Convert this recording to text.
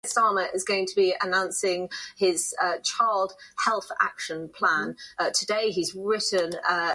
I was very much pleased with all that he said.